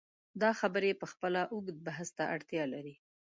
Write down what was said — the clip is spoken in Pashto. دا خبرې پخپله اوږد بحث ته اړتیا لري.